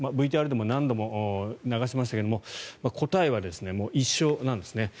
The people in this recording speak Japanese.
ＶＴＲでも何度も流しましたけども答えは一緒なんですね。